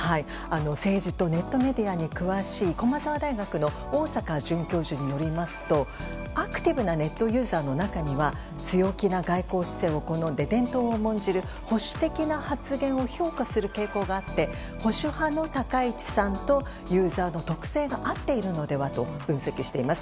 政治とネットメディアに詳しい駒澤大学の逢坂準教授によりますとアクティブなネットユーザーの中には強気な外交姿勢を好んで伝統を重んじる保守的な発言を評価する傾向があって保守派の高市さんとユーザーと特性が合っているのではと分析しています。